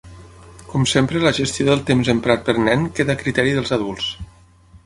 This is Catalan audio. Com sempre la gestió del temps emprat per nen queda a criteri dels adults.